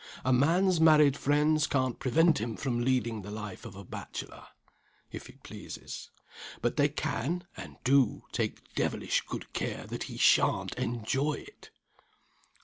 A man's married friends can't prevent him from leading the life of a bachelor, if he pleases. But they can, and do, take devilish good care that he sha'n't enjoy it!"